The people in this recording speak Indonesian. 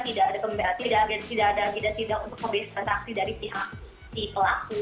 tidak ada agensi tidak ada agensi tidak untuk pembelaan transaksi dari pihak di pelaku